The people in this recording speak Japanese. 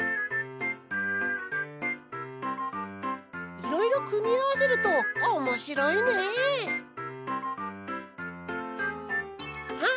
いろいろくみあわせるとおもしろいねハッ！